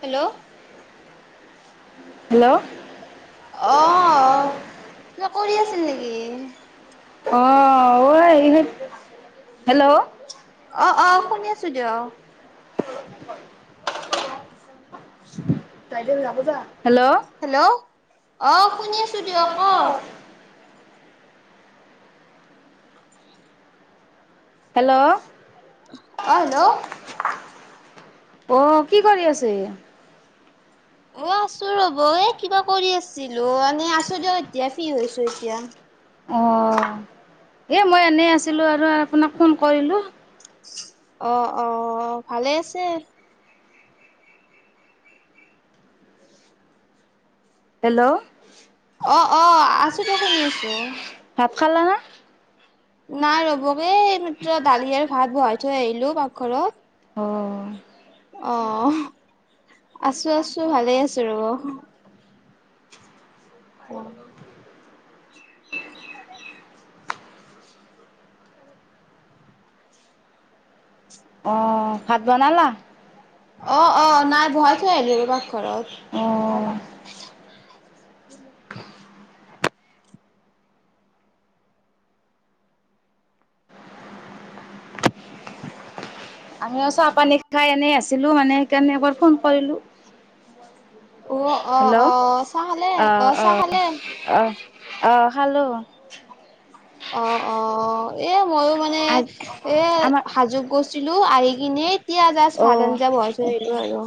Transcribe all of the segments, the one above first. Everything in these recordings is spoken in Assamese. হেল্ল'? হেল্ল'? অ, কিবা কৰি আছিল নেকি। অ, ঐ হেল্ল' অ', অ', শুনি আছো দিয়ক। তাই যাব যা হেল্ল'? হেল্ল' অ, শুনি আছো দিয়ক ক। হেল্ল' অ' হেল্ল'? অ' কি কৰি আছে? অ' আছো ৰ'ব এ কিবা কৰি আছিলো মােন আছো দিয়ক এতিয়া ফ্ৰী হৈছো এতিয়া। অ' এই মই এনেই আছিলোঁ আৰু আপোনাক ফোন কৰিলোঁ। অ', অ' ভালে আছে। হেল্ল'? অ', অ' আছো দক শুনি আছো। ভাত খালা না? নাই ৰ'ব বে এই মাত্ৰ দালি আৰু ভাত বহাই থৈ আহিলো পাকঘৰত। অ'। অ' আছো আছো ভালে আছো ৰ'ব। অ'। [inaudible] অ' ভাত বনালা? অ', অ' নাই বহাই থৈ আহিলো পাকঘৰত। অ'। আমিও চাহ পানী খাই এনেই আছিলো মানে সেইকাৰণে এবাৰ ফোন কৰিলো। অ অ হেল্ল' অ চাহ খালে অ আহ চাহ আহ খালে আহ আহ হ্ল'। অ', অ' এ মইো মানে আজ এ আমাৰ সাজু গৈছিলো আহি কিনে এতিয়া জাষ্ট ভাত আঞ্জা বাই থ আহিলো আৰু।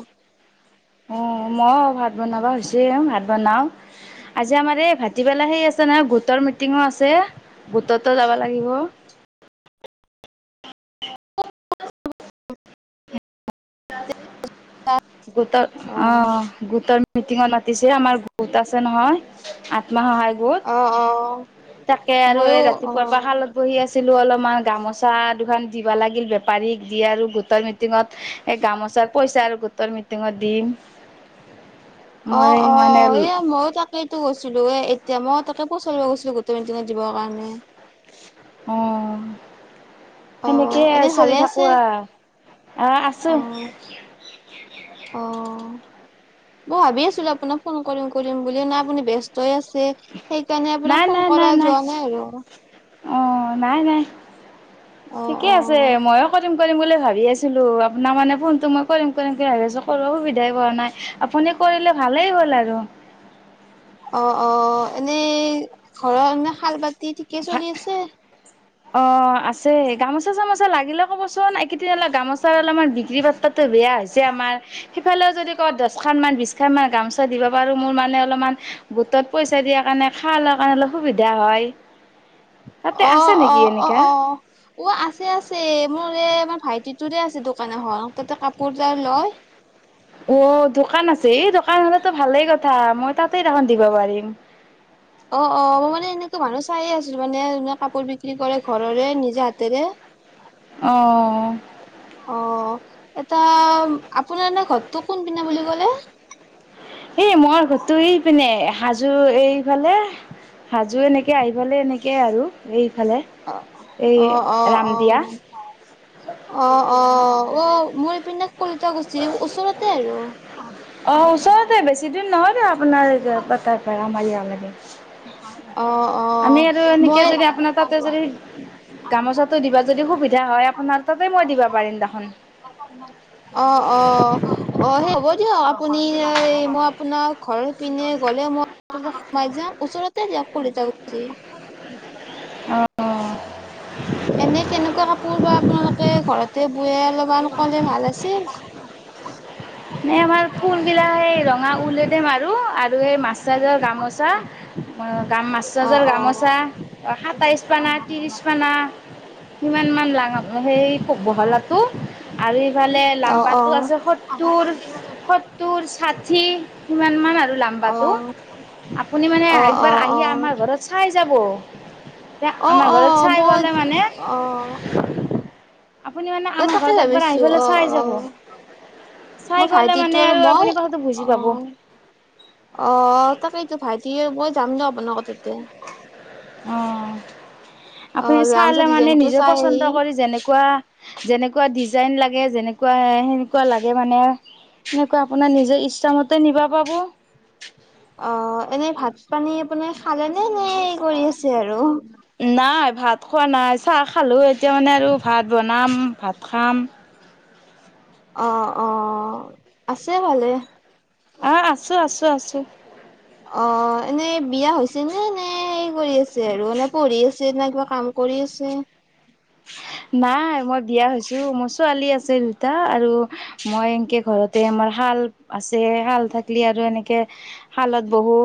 অ' মই ভাত বনাবা হৈছে ভাত বনাও। আজি আমাৰ এই ভাটিবেলা সেই আছে নহয় গোটৰ মিটিঙো আছে গোটতো যাব লাগিব। গোটৰ অ গোটৰ মিটিঙত মাতিছে আমাৰ গোট আছে। নহয় আত্মসহায় গত অ অ তাকে আৰু এই মইয়ো অ ৰাতিপুৱাৰ পৰা খাল বহি আছিলো অলপমান গামোচা দুোকান দিবা লাগিল বেপাৰীক দি আৰু গোটৰ মিটিঙত এই গামোচাত পইচা আৰু গোটৰ মিটিঙত দিম। মই অ', মানে অ' এ মইো তাক সেইটো গৈছিলো এতিয়া মই তাকে পচাৰিব গৈছিলো গোটেই মিটিঙত দিবৰ কাৰণে। অ'। অ সেনেকেইে এনে ভালে চলি থাকো আছে আহ আহ আছো। অ অ'। মই ভাবি আছিলো আপোনাক ফোন কৰিম কৰিম বুলিও নাই আপুনি ব্যস্তই আছে। সেইকাৰণে নাই আপোনাৰ নাই ফোন নাই কৰা যোৱা নাই আৰু। অ' নাই নাই অ ঠিকে আছে। অ ছে ময়ো কৰিম কৰিম বুলি ভাবি আছিলো আপোনাৰ মানে ফোনটো মই কৰিম কৰিম বুলি ভাবি আছো। কো সুবিধাই পোৱা নাই আপুনি কৰিলে ভালেই হ'ল আৰু। অ', অ' এনেই ঘৰ এনে খাল বাতি ঠিকে ভা চলি আছে। অ' আছে গামোচা চামোচা লাগিলে আক বছৰ এইকেইদিন অলপ গামোচাৰ অলমন আমাৰ বিক্ৰী পাত্ৰাো বেয়া হৈছে আমাৰ সিফালেও যদি ক দহখনন মান বিশ খন মান গামচা দিব পাৰো মোৰ মানে অলপমান ভোটত পইচা দিয়া কাৰণে খ কাৰণে অল অসুবিধা হয় তাতে আ অ', অ', অ', অ', অ' অ' আছে আছে মোৰ এ আ মমাৰ ভাইটিটোৰে আছে দোকান এখন তাতে কাপোৰডাল লয়। অ' দোকান আছে এই দোকান হলেতো ভালেই কথা মই তাতে দোকান দিব পাৰিম। অ', অ' মই মানে এনেকুৱ মানু চয়ে আছিলো মানে ধ কাপোৰ বি বিক্ৰী কৰে ঘৰৰে নিজে হাতেৰে। অ' অ' এটা আপোনাৰ নে ঘৰতটো কোন পিন্ধ বুলি ক'লে? এই মই গটো ই পিনে সাজো এইফালে। হাজো এনেকৈ আহিফালে এনেকৈ আৰু এইফালে অ এই অ অ ৰাম অ দিয়া। অ অ অ মোৰ এইপিনে কলিতা গুচি ওচৰতে আৰু অ ওচৰতে বেছি দুৰ নহয় বাৰু আপোনাৰ তাৰ পৰা আমাৰ ইয়ালে [inaudible] আমি আৰু এনেকে যদি আপোনাৰ তাতে যদি মই গামোচাটো দিবা যদি সুবিধা হয় আপোনাৰ তাতে মই দিবা পাৰিম দেখোন অ অ। অ সেই হ'ব দিয়ক আপুনি মই আপোনাৰ ঘৰ পিনে গলে মই সোমাই যাম ওচৰতে [unintelligible] অ এনে কেনেকুৱা কাপোৰ বা আপোনালোকে ঘৰতে বুৱে অলপমান কলে ভাল আছিল এই আমাৰ ফুলবিলাক এই ৰঙা ওলে দে মাৰো আৰু এই মা চাইজৰ গামোচা গ মাছ অ চাজৰ অ গামোচা সাতাইশ পানা ত্ৰিশ পানা সিমান মান লাগা আ সেই খুব বহলাটো আৰু ইফালে অ অ লাম্বাটো আছে সত্তৰ সত্তৰ, ষাঠি সিমান মান আৰু অ লাম্বাটো আপুনি মানে অ অ একবাৰ আহি অ আমাৰ ঘৰত চাই যাব এ অ আমাৰ অ ঘৰত চাই মই গলে মানে অ আপুনি মানে অ আমাৰ তাকে ঘৰত একবাৰ ভাবিছো আহি অ পেলায় চাই অ যাব চাই মোৰ গ'লে মানে ভাইটিটো আৰু মই আপুনি কথাটো বুজি অ পাব অ তাকেইতো ভাইটি মই যাম ন আপোন আকৌ ততে অ অ আপুনি যাম চালে পিছত মানে ডিজাইনটো নিজে চাই পচন্দ আহিম কৰি যেনেকুৱা যেনেকুৱা ডিজাইন লাগে যেনেকুৱা সেনেকুৱা লাগে মানে এনেকুৱা আপোনাৰ নিজৰ ইচ্ছামতে নিবা পাব অ এনে ভাত পানী আপোনাৰ খালে নে নে কৰি আছে আৰু নাই ভাত খোৱা নাই চাহ খালেঁ এতিয়া মানে আৰু ভাত বনাম ভাত খাম অ অ। আছে ভালে অ আছো আছো আছো। অ এনেই বিয়া হৈছে নে নে এই কৰি আছে আৰু নে পঢ়ি আছে? নে কিবা কাম কৰি আছে? নাই মই বিয়া হৈছো মোৰ ছোৱালী আছে দুটা আৰু মই এনকে ঘৰতে আমাৰ শাল আছে শাল থাকলি আৰু এনেকে শালত বহু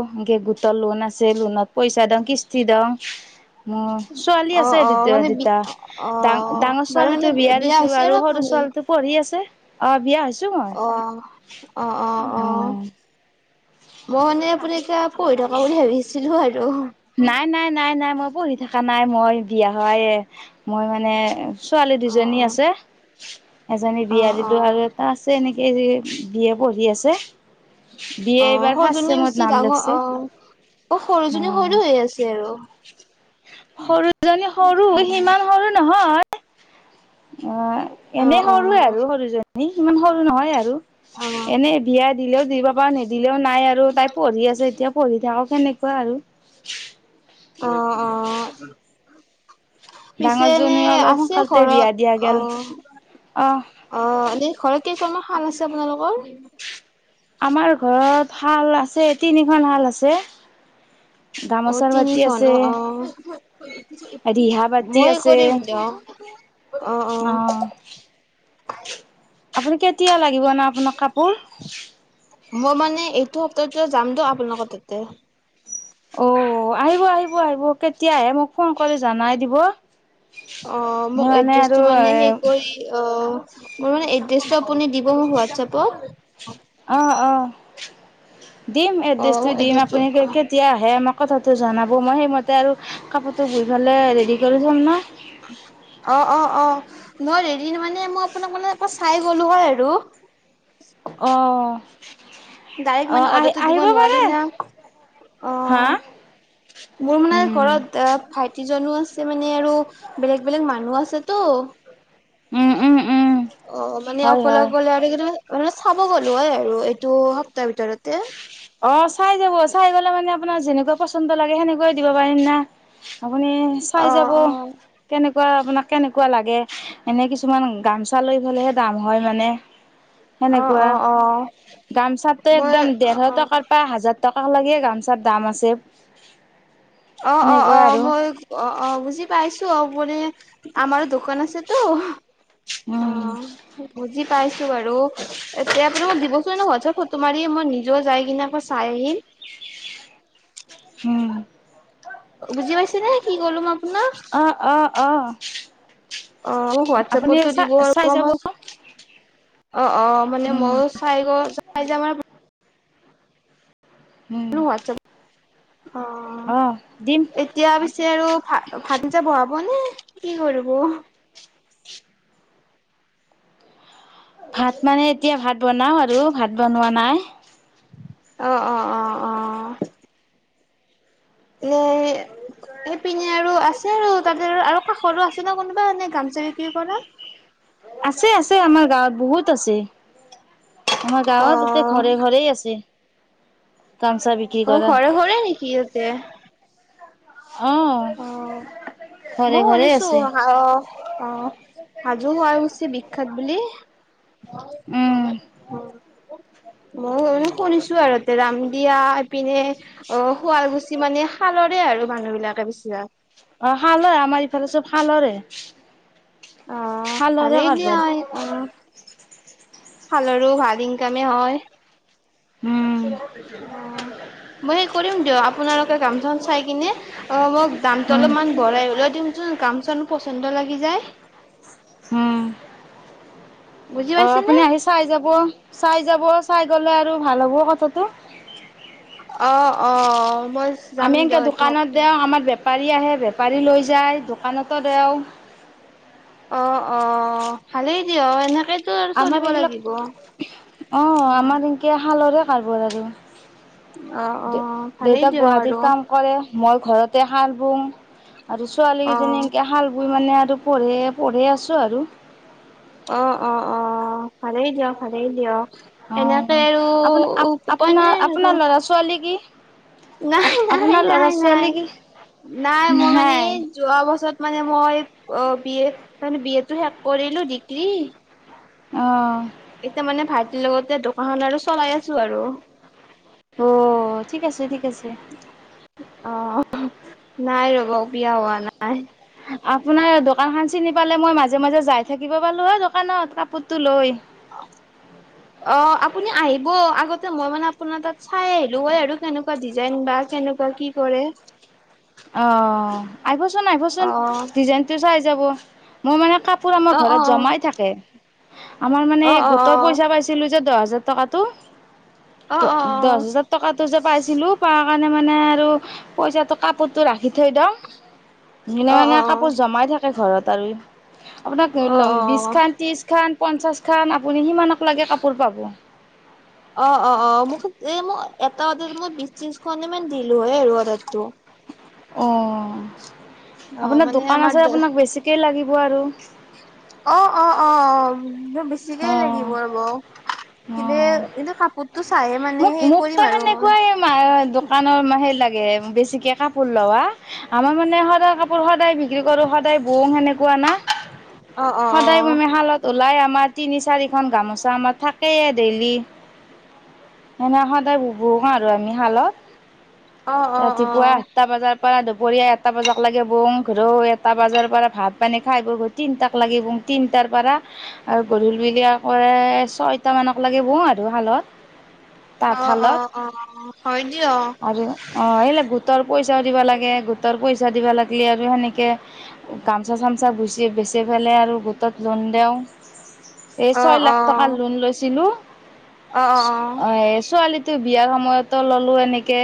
গোটৰ লোন আছে লোনত পইচা দিওঁ কিস্তি দিওঁ উম ছোৱালী অ', আছে অ', দুটা মানে বি দুটা অ', ডাঙ-ডাঙৰ বাৰু মানে ছোৱালীটো বিয়া দিছো হৈছে আৰু সৰু আপুনি? ছোৱালীটো পঢ়ি আছে। অ বিয়া হৈছো অ', অ', অ', মই। অ', উম। মই মানে আপোনি এতিয়া পঢ়ি থকা বুলি ভাবিছিলো আৰু নাই নাই নাই নাই মই পঢ়ি থকা নাই মই বিয়া হয়ে মই মানে ছোৱালী দুজনী অ', আছে। এজনী বিয়া অ', দিলো অ', আৰু এটা আছে এনেকে বিএ পঢ়ি আছে। বিএ অ', এইবাৰ ফাৰ্ষ্ট সৰুজনী চেমত বেছি নাম ডাঙৰ লৈছে। অ', অ সৰু জনী সৰু হৈ আছে আৰু সৰু জনী সৰু অ', সিমান সৰু নহয়। অ এনে অ', সৰুৱে অ'। আৰু সৰু জনী ইমান সৰু নহয় আৰু অ', এনে বিয়া দিলেও দিব পাৰোঁ নিদিলেও নাই আৰু তাই পঢ়ি আছে এতিয়া পঢ়ি থাকক সেনেকুৱা আৰু অ অ। পিছে এনে ডাঙৰজনী অলপ আছে সোনকালতে বিয়া দিয়া ঘৰত। অ। গেল অ এনে ঘৰত কেইখন মান শাল আছে আপোনালোকৰ? আমাৰ ঘৰত শাল আছে তিনিখন শাল আছে। অ', গামোচাৰ বাতি তিনিখন আছে, অ', অ', ৰিহা বাতি মই আছে কৰিম দিয়ক। অ', আপুনি কেতিয়া লাগিব নো আপোনাক কাপোৰ? মই মানে এইটো সপ্তাহতে যামতো আপোনালোকৰ তাতে। অ', আহিব, আহিব, আহিব, কেতিয়া আহে মোক ফোন কৰি জনাই দিব। অ', মই মোক মানে আৰু এড্ৰেছটো মানে এ সেই কৰি অ', মোৰ মানে এড্ৰেছটো আপুনি দিব মোৰ হোৱাটছএপত। অ', অ', দিম অ', এড্ৰেছটো মোক দিম, এড্ৰেছটো আপুনি কেত কেতিয়া আহে আমাক কথাটো জনাব, মই সেইমতে আৰু কাপোৰটো বোই ফেলে ৰেডি কৰি থোম না? অ', অ', অ', মই [unintelligible] মানে মই আপোনাক মানে একবাৰ চাই গ'লো হয় আৰু অ'। ডাইৰেক্ট অ মানে আহ অৰ্ডাৰটো দিব আহিব নোৱাৰি পাৰে না হা অ'। মোৰ মানে উম ঘৰত ভাইটি জনো আছে, মানে আৰু বেলেগ বেলেগ মানুহ আছে টো। উম, উম, উম। অ', মানে হয় অকলে হয় অকলে আ মানে চাব গ'লো হয় আৰু এইটো সপ্তাহৰ ভিতৰতে। অ', চাই যাব, চাই গ'লে মানে আপোনাৰ যেনেকুৱা পচন্দ লাগে সেনেকুৱাই দিব পাৰিম না। আপুনি চাই অ যাব, কেনেকুৱা আপোনাক কেনেকুৱা লাগে? এনে কিছুমান গামচা লৈ ফেলেহে দাম হয় মানে। অ অ সেনেকুৱা, অ অ গামচাতে মই একদম অ দেৰশ অ টক পাচঁ হাজাৰ টকা লৈকে গামছাৰ দাম আছে। অ', অ', সেনেকুৱা অ'। আৰু মই অ', অ', বুজি পাইছো আ আমাৰো দোকান আছেতো, উম অ' বুজি পাইছো বাৰু। এতিয়া আপুনি মোক দিবচোন হোৱাটছআপত ফটো মাৰি, মই নিজেও যায় কিনে একবাৰ চাই আহিম। উম। বুজি পাইছে নে কি ক'লো মই আপোনাক অ', অ', অ'। অ', মোক আপুনি হোৱাটছআপতো চাই দিব চাই আৰু যাব মই অ', অ', মানে উম মই চাই গৈ, চাই যাব মই উম আৰু হোৱাটছএপ অ' অ দিম এই এতিয়া পিছে আৰু ভাত-ভাত আনজা বহাবনে কি কৰিব? ভাত মানে এতিয়া, ভাত বনাওঁ আৰু ভাত বনোৱা নাই। অ', অ'। অ অ নে সেইপিনে আৰু আছে আৰু তাতে, আৰু কাষৰো আছেনে কোনোবা এনে গামচা বিক্ৰী কৰা? আছে, আছে, আমাৰ গাঁৱত বহুত আছে। আমাৰ অ গাঁৱত এতিয়া ঘৰে ঘৰেই আছে, গামচা বি অ', ঘৰে ঘৰে নেকি তাতে? উম। অ', মই শুনিছো আছে। হা অ'। হাজো, শুৱালকুছি বিখ্যাত বুলি। উম, মইও শুনিছো আৰু ৰাম দিয়া এইপিনে অ', শুৱালকুছি মানে শালৰে আৰু মানুহ বিলাকে বেছিভাগ। অ', শাঁলয়ে, আমাৰ ইফালে চব শাঁলৰে অ শাঁলৰে ভালেই দিয়া কাৰবাৰ। অ', শালৰো ভাল ইনকামে হয়। অ। মই সেই কৰিম উম। দিয়ক আপোনালোকে গামখন চাই কিনে অ মোক [unintelligible] দামটো অলপমান বঢ়াই হ'লেও দিম, যোন গামছা খন পচন্দ লাগি যায়। উম, বুজি অ', পাইছেনে? আপুনি আহিছে চাই যাব, চাই যাব, চাই গলে আৰু ভাল হ'ব কথাটো। অ', অ', মই যাম আমি এনকে দিয় এইটো দোকানত সপ্তাহত দেওঁ আমাৰ বেপাৰী আহে, বেপাৰী লৈ যায় দোকানতো দেও। অ', অ', ভালেই দিয় এনেকৈ আমাৰ এইবিলাক অ, অ আমাৰ এনেকে শালৰে পায় বজাৰো। অ অ দে, ভালেই দেউতা দিয়ক আৰু। গুৱাহাটীত কাম কৰে। মই ঘৰতে হাল বওঁ আৰু অ ছোৱালীকেইজনী এনেকে হাল বই মানে আৰু। পঢ়ে, পঢ়ি আছো আৰু। অ', অ', অ', ভালেই দিয়ক, ভালেই দিয়ক। অ, এনেকে আৰু আপোন, উপায় আপোনাৰ, নাই আৰু আপোনাৰ লৰা-ছোৱালী কি নাই, নাই, আপোনাৰ ল'ৰা নাই, নাই, ছোৱালী কি নাই মই মানে যোৱা বছৰত মানে মই অ, বি এ মানে বি এ টো শেষ কৰিলো ডিগ্ৰী। অ'। এতিয়া মানে ভাইটিৰ লগতে দোকান খন আৰু চলাই আছো আৰু। অ, ঠিক আছে, ঠিক আছে। অ, নাই ৰ'বা বিয়া হোৱা নাই। আপোনাৰ দোকান খন চিনি পালে মই মাজে, মাজে যাই থাকিব পালো হয় দোকানত কাপোৰ টো লৈ। [inaudible] অ, আপুনি আহিব আগতে মই মানে আপোনাৰ তাত চাই আহিলোঁ হয় আৰু কেনেকুৱা দিজা যেন বা কেনেকুৱা কি কৰে। আহ, আহিবচোন, আহিবচোন অ ডিজাইনটো চাই যাব। মোৰ মানে কাপোৰ আমাৰ অ অ ঘৰত জমাই থাকে আমাৰ মানে অ অ অ গোটৰ পইচা অ পাইছিলো যে দহ হাজাৰ টকা, অ অ দহ অ হাজাৰ টকাটো যে পাইছিলো। পোৱা কাৰণে মানে আৰু পইচাটো কাপোৰটো ৰাখি থৈ দিওং। [unintelligible] অ মানে অ কাপোৰ জমাই থাকে ঘৰত আৰু। অ অ আপোনাক বিশখান, ত্ৰিশ খান, পঞ্চাশ খান আপুনি সিমানক লাগে কাপোৰ পাব। অ', অ', অ', মোক এ মই এটা অৰ্ডাৰ মই বিশ, ত্ৰিশ খনে মান দিলো হে আৰু অৰ্ডাৰটো। অ, অ আপোনাৰ মানে দোকান আমাৰ আছে, আপোনাক বেছিকৈ লাগিব আৰু। অ', অ', অ', অ', বেছিকেই অঁ লাগিব ৰবৌ কিন্তু অঁ এইটো কাপোৰ তো চাইহে মানে মোক সেই মোকতো কৰিম আৰু। সেনেকুৱাই দোকানৰ মা সেই লাগে বেছিকে কাপোৰ লোৱা। আমাৰ মানে সদায় কাপোৰ সদায় বিক্ৰী কৰো। সদায় বৌং সেনেকুৱা না। অ অ সদায় মমি শালত ওলাই আমাৰ তিনি, চাৰিখন গামোচা আমাৰ থাকেই ডেইলি। সনে সদায় বহো আৰু আমি শালত অ অ অ অ ৰাতিপুৱা আঠটা বজাত। পৰা দুপৰীয়া এটা বজাত লাগে বৌওঁ, ঘৰৌ এটা বজাৰ পৰা ভাত পানী খাই বৈ তিনিটাক লাগি বোও, তিনিটাৰ পৰা আৰু গধূলি বিলিয়া কৰে ছয়টা মানক লাগে বহু আৰু শালত। অ', তাঁতশালত। অ', অ', অ', হয় দিও অ'। আৰু অ, সেইিলাক গোটৰ পইচাও দিবা লাগে। গোটৰ পইচা দিবা লাগিলে আৰু সেনেকে গামচা, চামচা গুচি বেচি পেলাই আৰু গোটত লন দেও। এই ছয় লাখ অ', টকাৰ লোন অ', অ', অ', অ'। এ, ছোৱালীটো বিয়াৰ সময়তো ললো এনেকে।